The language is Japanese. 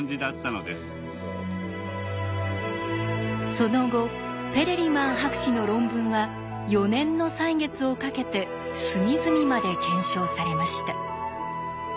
その後ペレリマン博士の論文は４年の歳月をかけて隅々まで検証されました。